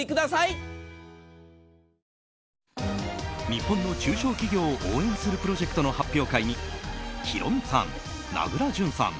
日本の中小企業を応援するプロジェクトの発表会にヒロミさん、名倉潤さん